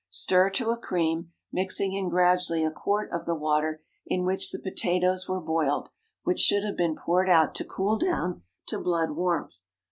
Stir to a cream, mixing in gradually a quart of the water in which the potatoes were boiled, which should have been poured out to cool down to blood warmth.